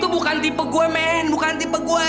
bukan tipe gue men bukan tipe gue